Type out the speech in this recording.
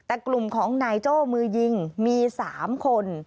แต่กลุ่มของนายโจ้มือยิงมี๓คน